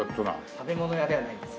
食べ物屋ではないです。